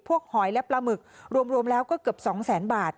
หอยและปลาหมึกรวมแล้วก็เกือบ๒แสนบาท